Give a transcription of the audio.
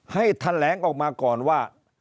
ให้แถลงออกมาก่อนว่า